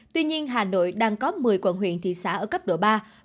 tuy nhiên hà nội đang có một mươi quận huyện thị xã ở cấp độ ba